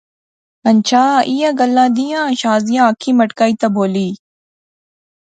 ہنچھا ایہہ گلاں دیاں، شازیہ اکھی مٹکائی تے بولی